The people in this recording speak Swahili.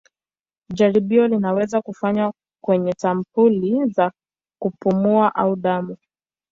Jaribio linaweza kufanywa kwenye sampuli za kupumua au damu.